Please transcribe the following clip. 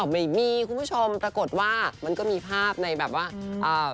ไม่มีคุณผู้ชมปรากฏว่ามันก็มีภาพในแบบว่าเอ่อ